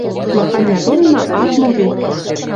Махань мӓ донна, ат мо век.